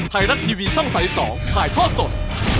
ไทยรัฐทีวีช่อง๓๒ถ่ายทอดสด